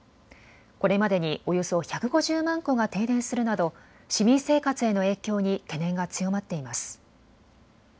これまでにおよそ１５０万戸が停電するなど市民生活への影響に懸念が強まっています。